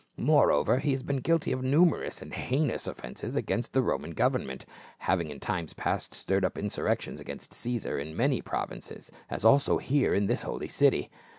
Moreover he hath been guilty of numerous and hein ous offenses against the Roman government, having in times past stirred up insurrections against Caesar in many provinces, as also here in this holy city.